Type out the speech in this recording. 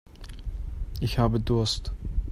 Ich habe Durst.